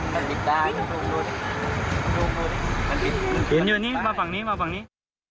เป็นอยู่นี่มาฝั่งนี้มาฝั่งนี้